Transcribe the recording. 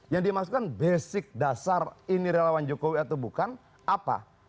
yang dimaksudkan basic dasar ini relawan jokowi atau bukan apa